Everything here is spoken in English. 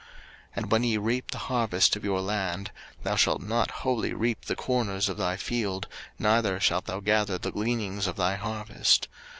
03:019:009 And when ye reap the harvest of your land, thou shalt not wholly reap the corners of thy field, neither shalt thou gather the gleanings of thy harvest.